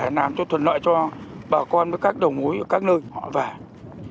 chúng tôi thuận lợi cho bà con với các đồng mối ở các nơi họ vào